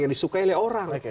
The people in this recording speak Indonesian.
yang disukai oleh orang